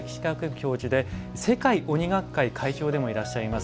教授で世界鬼学会会長でもいらっしゃいます